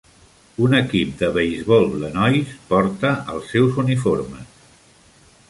Un equip de beisbol de nois porta els seus uniformes.